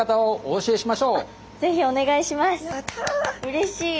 うれしい。